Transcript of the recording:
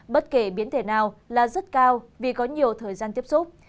bất kể biến thể nào là rất cao vì có nhiều thời gian tiếp xúc